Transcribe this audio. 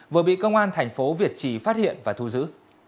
vừa bị công an thành phố việt trì phát hiện và thu giữ